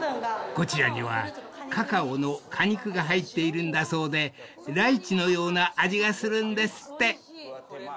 ［こちらにはカカオの果肉が入っているんだそうでライチのような味がするんですって］